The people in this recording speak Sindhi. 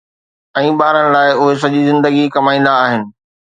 ۽ ٻارن لاءِ اهي سڄي زندگي ڪمائيندا آهن